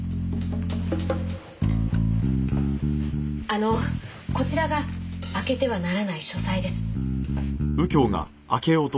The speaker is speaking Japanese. あのこちらが開けてはならない書斎です。